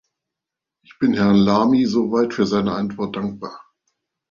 Ich bin Herrn Lamy soweit für seine Antwort dankbar.